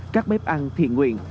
các bếp ăn thiện nguyện